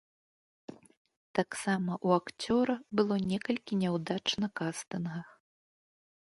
Таксама ў акцёра было некалькі няўдач на кастынгах.